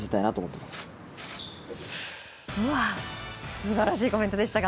素晴らしいコメントでしたが。